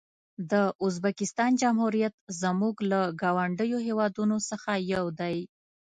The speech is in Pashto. د ازبکستان جمهوریت زموږ له ګاونډیو هېوادونو څخه یو دی.